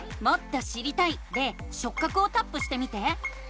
「もっと知りたい」で「しょっ角」をタップしてみて。